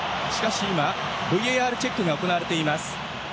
ＶＡＲチェックが行われています。